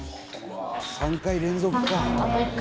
３回連続か。